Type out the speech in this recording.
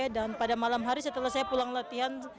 dan pada malam hari setelah saya pulang latihan